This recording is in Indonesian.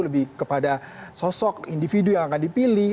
lebih kepada sosok individu yang akan dipilih